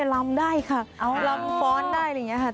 ลำได้ค่ะเอาลำฟ้อนได้อะไรอย่างนี้ค่ะ